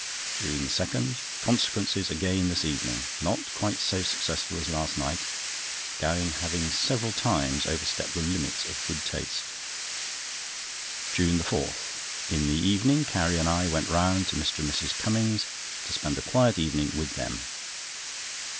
JUNE 2.—"Consequences" again this evening. Not quite so successful as last night; Gowing having several times overstepped the limits of good taste. JUNE 4.—In the evening Carrie and I went round to Mr. and Mrs. Cummings' to spend a quiet evening with them.